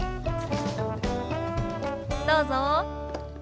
どうぞ。